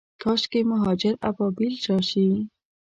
کاشکي، مهاجر ابابیل راشي